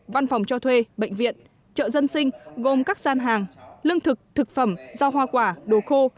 văn phòng cho thuê bệnh viện chợ dân sinh gồm các gian hàng lương thực thực phẩm giao hoa quả đồ khô